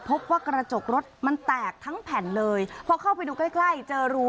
พบว่ากระจกรถมันแตกทั้งแผ่นเลยพอเข้าไปดูใกล้ใกล้เจอรู